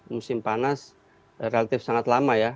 musim panas relatif sangat lama ya